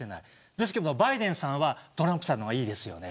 でもバイデンさんはトランプさんの方がいいです。